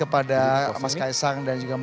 pernikahan kesejahteraan dan perniagaan